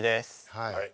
はい。